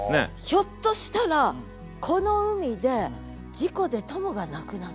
ひょっとしたらこの海で事故で友が亡くなったとか。